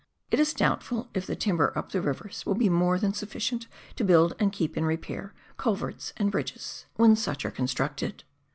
It is doubtful if the timber up the rivers will be more than sufficient to build and keep in repair culverts and bridges, WESTLAND. 3 1 when sucli are constructed.